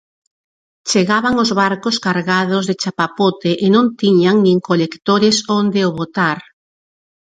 Chegaban os barcos cargados de chapapote e non tiñan nin colectores onde o botar.